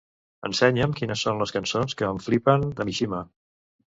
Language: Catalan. Ensenya'm quines són les cançons que em flipen de Mishima.